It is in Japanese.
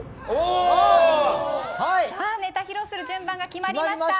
ネタ披露する順番が決まりました。